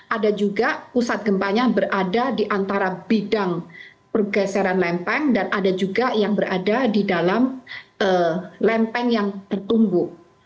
ada juga pusat gempanya berada di antara bidang pergeseran lempeng dan ada juga yang berada di dalam lempeng yang tertumbuh